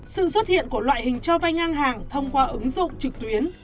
sự xuất hiện của loại hình cho vay ngang hàng thông qua ứng dụng trực tuyến